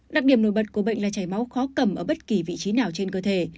đặc điểm nổi bật của bệnh là chảy máu khó cầm ở bất kỳ vị trí nào trên cơ thể